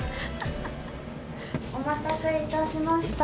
お待たせいたしました。